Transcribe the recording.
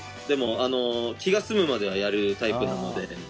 でも気が済むまではやるタイプなので。